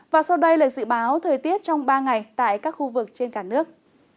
và sau đây là dự báo thời tiết trong ba ngày tại các khu vực trên cả nước